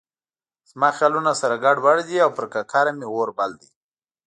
زما خیالونه سره ګډ وډ دي او پر ککره مې اور بل دی.